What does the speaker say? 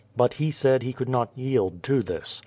But he said he could not yield to this.